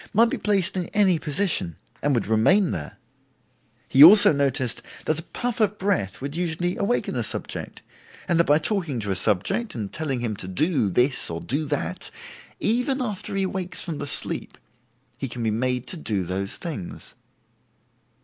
might be placed in any position and would remain there; he also noted that a puff of breath would usually awaken a subject, and that by talking to a subject and telling him to do this or do that, even after he awakes from the sleep, he can be made to do those things.